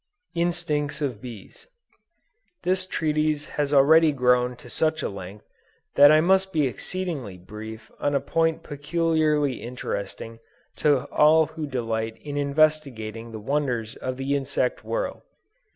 INSTINCTS OF BEES. This treatise has already grown to such a length, that I must be exceedingly brief on a point peculiarly interesting to all who delight in investigating the wonders of the insect world.